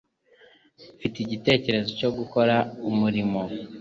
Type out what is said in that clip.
Mfite igitekerezo cyo gukora umurimo.